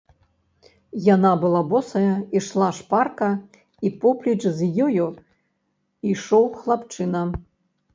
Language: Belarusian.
Яна была босая, ішла шпарка, і поплеч з ёю ішоў хлапчына.